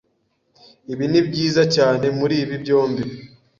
Ibi nibyiza cyane muribi byombi.